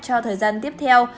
cho thời gian tiếp theo